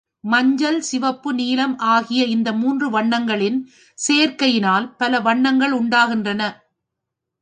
மஞ்சள், சிவப்பு, நீலம் ஆகிய இந்த மூன்று வண்ணங்களின் சேர்க்கையினால் பல வண்ணங்கள் உண்டாகின்றன.